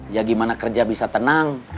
ya gimana kerja bisa tenang